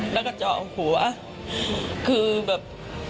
ดีกว่าจะได้ตัวคนร้าย